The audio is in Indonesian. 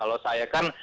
kalau saya kan